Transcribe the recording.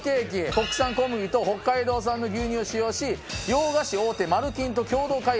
国産小麦と北海道産の牛乳を使用し洋菓子大手マルキンと共同開発。